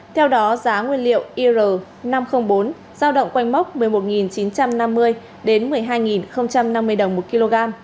theo đó giá nguyên liệu ir năm trăm linh bốn giao động quanh mốc một mươi một chín trăm năm mươi đến một mươi hai năm mươi đồng một kg